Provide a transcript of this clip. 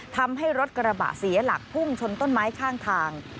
ทำให้รถกระบะเสียหลักพุ่งชนต้นไม้ข้างทาง